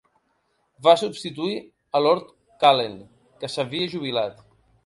Va substituir a lord Cullen, que s'havia jubilat.